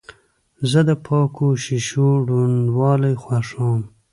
زه د پاکو شیشو روڼوالی خوښوم.